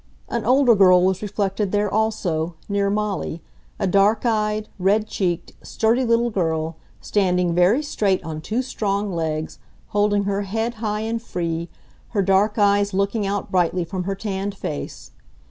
An older girl was reflected there also, near Molly, a dark eyed, red cheeked, sturdy little girl, standing very straight on two strong legs, holding her head high and free, her dark eyes looking out brightly from her tanned face.